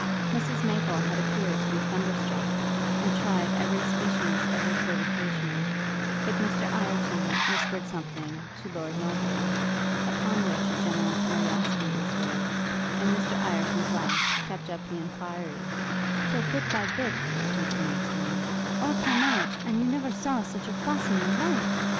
Mrs Maple had appeared to be thunderstruck, and tried every species of equivocation; but Mr Ireton whispered something to Lord Melbury, upon which a general curiosity was raised; and Mr Ireton's laughs kept up the enquiry, 'till, bit by bit,' continued Selina, 'all came out, and you never saw such a fuss in your life!